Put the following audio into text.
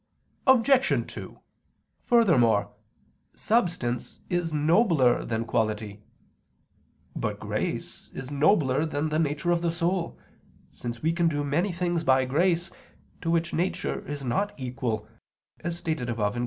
Obj. 2: Furthermore, substance is nobler than quality. But grace is nobler than the nature of the soul, since we can do many things by grace, to which nature is not equal, as stated above (Q.